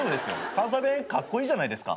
関西弁カッコイイじゃないですか。